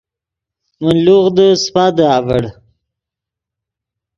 من لوغدے سیپادے اڤڑ